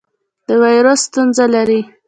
د وایرس ستونزه لرئ؟